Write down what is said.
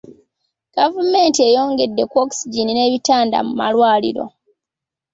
Gavumenti eyongedde ku Ogygen n’ebitanda mu malwaliro.